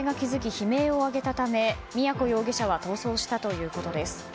悲鳴を上げたため都容疑者は逃走したということです。